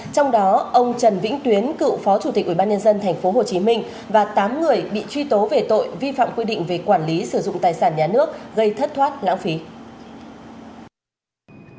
trong đó ông trần vĩnh tuyến cựu phó chủ tịch ủy ban nhân dân tp hcm và tám người bị truy tố về tội vi phạm quy định về quản lý sử dụng tài sản nhà nước gây thất thoát ngã phí